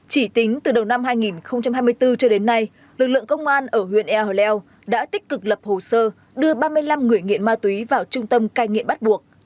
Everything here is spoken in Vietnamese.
chỉ tính từ đầu năm hai nghìn hai mươi bốn cho đến nay lực lượng công an ở huyện ea hồi lèo đã tích cực lập hồ sơ đưa ba mươi năm người nghiện ma túy vào trung tâm cai nghiện bắt buộc